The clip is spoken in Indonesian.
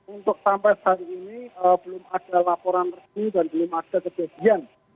untuk sampai hari ini belum ada laporan resmi dan belum ada kejadian